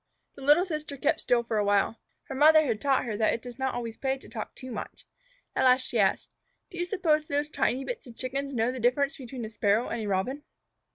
The little sister kept still for a while. Her mother had taught her that it does not always pay to talk too much. At last she asked, "Do you suppose those tiny bits of Chickens know the difference between a Sparrow and a Robin?"